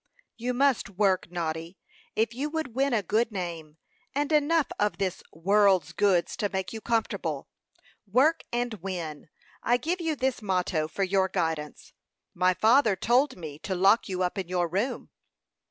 "You must work, Noddy, if you would win a good name, and enough of this world's goods to make you comfortable. Work and win; I give you this motto for your guidance. My father told me to lock you up in your room."